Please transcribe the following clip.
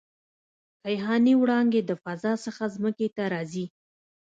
کیهاني وړانګې د فضا څخه ځمکې ته راځي.